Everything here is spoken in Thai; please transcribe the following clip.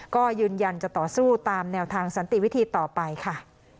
ก็ยืนยันจะต่อสู้ตามแนวทางสันติวิธีต่อไปค่ะ